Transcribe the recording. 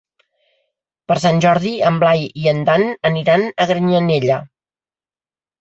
Per Sant Jordi en Blai i en Dan aniran a Granyanella.